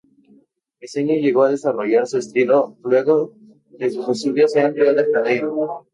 Briceño llegó a desarrollar su estilo luego de sus estudios en Río de Janeiro.